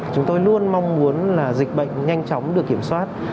chúng tôi luôn mong muốn là dịch bệnh nhanh chóng được kiểm soát